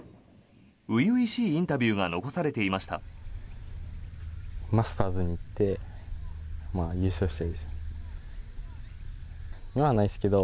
初々しいインタビューが残されていました。